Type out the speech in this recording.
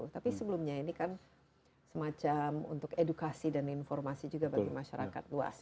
tapi sebelumnya ini kan semacam untuk edukasi dan informasi juga bagi masyarakat luas